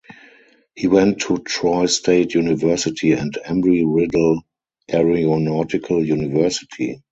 He went to Troy State University and Embry–Riddle Aeronautical University.